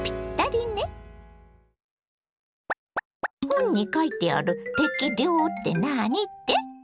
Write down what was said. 本に書いてある「適量」って何って？